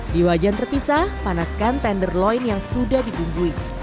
di wajan terpisah panaskan tenderloin yang sudah dibumbui